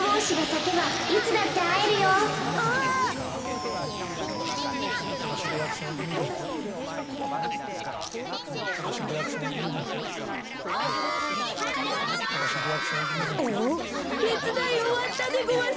てつだいおわったでごわす！